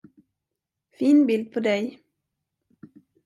Fin bild på dig!